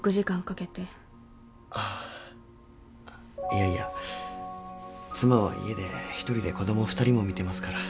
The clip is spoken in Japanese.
いやいや妻は家で１人で子供２人も見てますから。